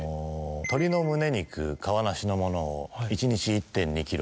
鶏のむね肉皮なしのものを１日１．２ｋｇ。